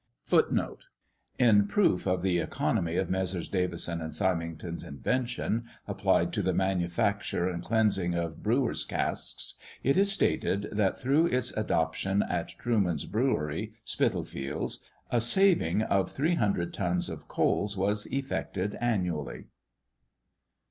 Footnote 6: In proof of the economy of Messrs. Davison and Symington's invention applied to the manufacture and cleansing of brewers' casks, it is stated that through its adoption at Truman's brewery, Spitalfields, a saving of 300 tons of coals was effected annually.